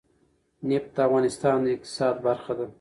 نفت د افغانستان د اقتصاد برخه ده.